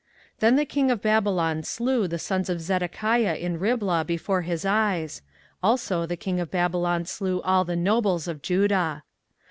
24:039:006 Then the king of Babylon slew the sons of Zedekiah in Riblah before his eyes: also the king of Babylon slew all the nobles of Judah.